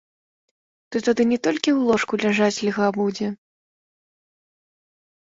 Ды тады не толькі ў ложку ляжаць льга будзе.